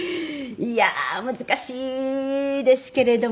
いやあ難しいですけれどもね。